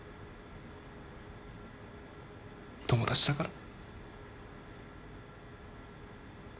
友達だから。